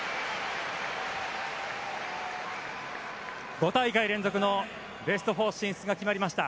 ５大会連続のベスト４進出が決まりました。